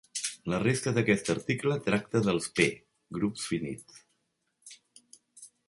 La resta d'aquest article tracta dels "p"-grups finits.